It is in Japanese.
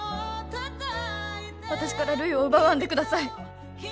私からるいを奪わんでください。